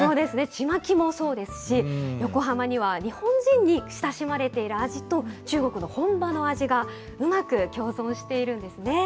ちまきもそうですし、横浜には日本人に親しまれている味と、中国の本場の味がうまく共存しているんですね。